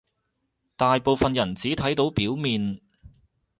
大部分人只睇到表面